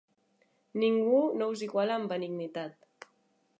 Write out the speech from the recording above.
Ningú no us iguala en benignitat.